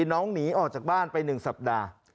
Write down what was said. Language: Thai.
น้องหนีออกจากบ้านไป๑สัปดาห์